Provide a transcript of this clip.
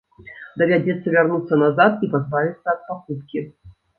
Давядзецца вярнуцца назад і пазбавіцца ад пакупкі.